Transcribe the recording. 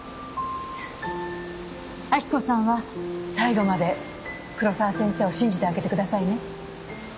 明子さんは最後まで黒沢先生を信じてあげてくださいね。